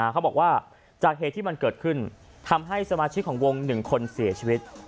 เขาบอกว่าจากเหตุที่มันเกิดขึ้นทำให้สมาชิกของวง๑คนเสียชีวิต